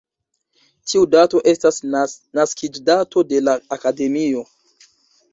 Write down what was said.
Tiu dato estas naskiĝdato de la akademio.